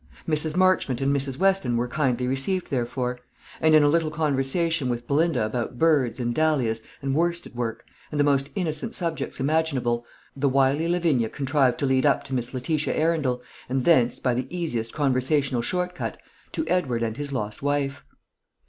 Mrs. Marchmont and Mrs. Weston were kindly received, therefore; and in a little conversation with Belinda about birds, and dahlias, and worsted work, and the most innocent subjects imaginable, the wily Lavinia contrived to lead up to Miss Letitia Arundel, and thence, by the easiest conversational short cut, to Edward and his lost wife.